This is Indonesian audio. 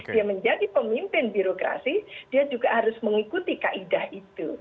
dia menjadi pemimpin birokrasi dia juga harus mengikuti kaidah itu